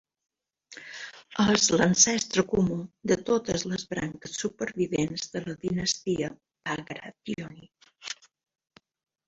És l'ancestre comú de totes les branques supervivents de la dinastia Bagrationi.